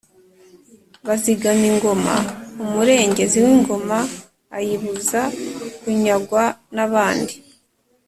bazigama ingoma: umurengezi w’ingoma ayibuza kunyagwa n’abandi